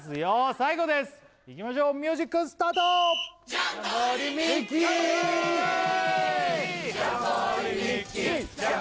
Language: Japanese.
最後ですいきましょうミュージックスタートイエーイ！